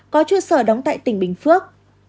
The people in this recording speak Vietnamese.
có trụ sở đóng tại tỉnh bình phước